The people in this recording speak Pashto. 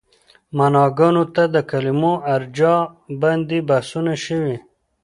معناګانو ته د کلمو ارجاع باندې بحثونه شوي دي.